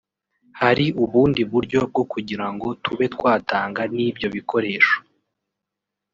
hari ubundi buryo bwo kugira ngo tube twatanga n’ ibyo bikoresho